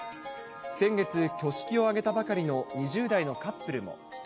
先月、挙式を挙げたばかりの２０代のカップルも。